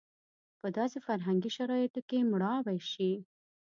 په داسې فرهنګي شرایطو کې مړاوې شي.